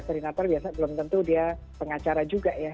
koordinator biasa belum tentu dia pengacara juga ya